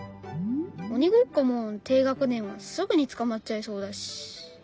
鬼ごっこも低学年はすぐに捕まっちゃいそうだし。